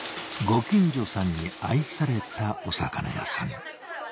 ご近所さんに愛されたお魚屋さん